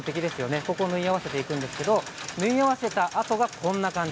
これを縫い合わせていくんですが縫い合わせたあとがこんな感じ。